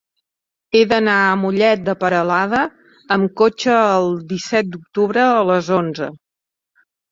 He d'anar a Mollet de Peralada amb cotxe el disset d'octubre a les onze.